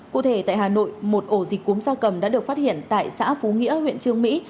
cụ thể tại hà nội một ổ dịch cúm gia cầm đã được phát hiện tại xã phú nghĩa huyện trương mỹ